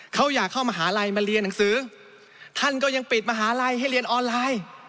เขาอยากเข้ามหาลัยมาเรียนหนังสือท่านก็ยังปิดมหาลัยให้เรียนออนไลน์